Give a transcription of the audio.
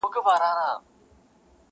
زه مي د شرف له دایرې وتلای نسمه,